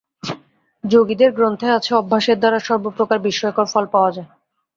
যোগীদের গ্রন্থে আছে, অভ্যাসের দ্বারা সর্বপ্রকার বিস্ময়কর ফল পাওয়া যায়।